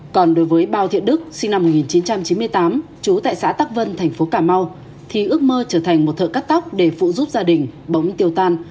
còn đối với bao thiện đức sinh năm một nghìn chín trăm chín mươi tám trú tại xã tắc vân thành phố cà mau thì ước mơ trở thành một thợ cắt tóc để phụ giúp gia đình bóng tiêu tan